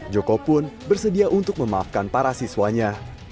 joko pun bersedia untuk memaafkan para siswanya